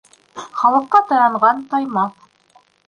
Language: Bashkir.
Халыҡҡа таянған таймаҫ.